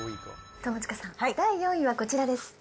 友近さん、第４位はこちらです。